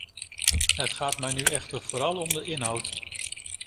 Het gaat mij nu echter vooral om de inhoud.